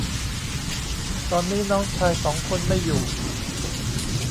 ตอนนี้น้องชายสองคนไม่อยู่